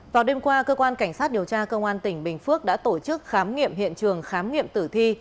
vào đêm qua cơ quan cảnh sát điều tra công an tỉnh bình phước đã tổ chức khám nghiệm hiện trường khám nghiệm tử thi